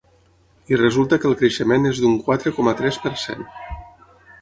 I resulta que el creixement és d’un quatre coma tres per cent.